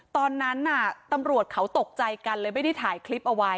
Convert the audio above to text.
ตอนนั้นน่ะตำรวจเขาตกใจกันเลยไม่ได้ถ่ายคลิปเอาไว้